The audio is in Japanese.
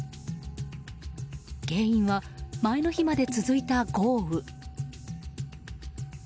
原因は、前の日まで続いた豪雨。